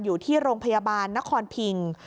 อยู่ที่โรงพยาบาลนครพิง